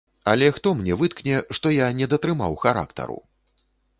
Але хто мне выткне, што я не датрымаў характару?